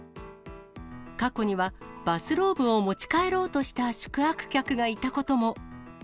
過去にはバスローブを持ち帰ろうとした宿泊客がいたことも。